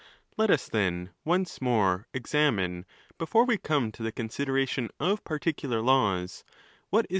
— Let us, then, ones more examine, béfore we come to the consideration of particular laws, what is.